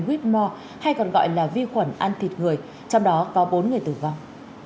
quýt mò hay còn gọi là vi khuẩn ăn thịt người trong đó có bốn người tử vong